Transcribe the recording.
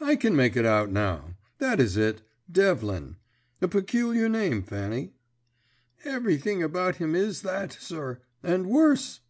"I can make it out now. That is it, Devlin. A peculiar name, Fanny." "Everything about him is that, sir, and worse."